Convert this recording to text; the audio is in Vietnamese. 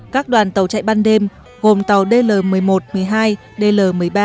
các đoàn tàu chạy ban đêm gồm tàu dl một mươi một một mươi hai dl một mươi ba một mươi bốn